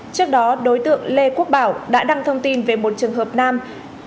trước đó đối tượng lê quốc bảo đã đăng thông tin về một trường hợp nam